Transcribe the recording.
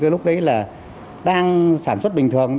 lúc đấy đang sản xuất bình thường